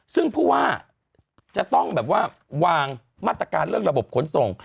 ซึ่งเพราะว่าจะต้องวางมาตรการเรื่องระบบขนส่ง